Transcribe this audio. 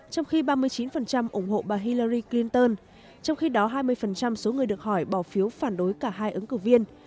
trong khi ba mươi chín ủng hộ bà hilery clinton trong khi đó hai mươi số người được hỏi bỏ phiếu phản đối cả hai ứng cử viên